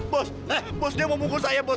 bos bos dia mau pukul saya bos